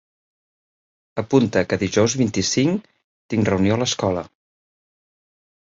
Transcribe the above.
Apunta que dijous vint-i-cinc tinc reunió a l'escola.